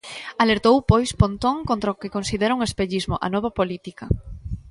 Alertou pois Pontón contra o que considera un espellismo, a Nova Política.